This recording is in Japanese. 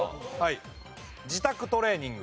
自宅トレーニング。